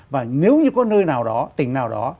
và nếu như có nơi nào đó tỉnh nào đó